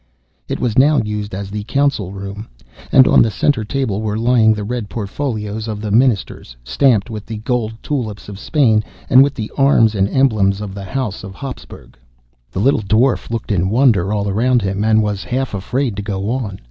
It was now used as the council room, and on the centre table were lying the red portfolios of the ministers, stamped with the gold tulips of Spain, and with the arms and emblems of the house of Hapsburg. The little Dwarf looked in wonder all round him, and was half afraid to go on.